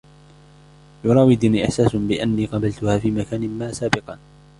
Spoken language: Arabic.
يراودني إحساسٌ بأنّي قابلتها في مكانٍ ما سابقًا.